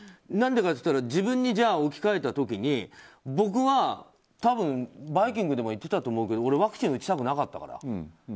何でかって言ったら自分に置き換えた時に僕は多分「バイキング」でも言っていたと思うけど俺、ワクチン打ちたくなかったから。